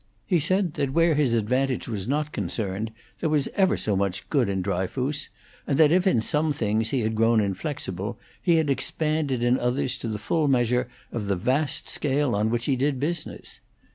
He said that where his advantage was not concerned, there was ever so much good in Dryfoos, and that if in some things he had grown inflexible, he had expanded in others to the full measure of the vast scale on which he did business.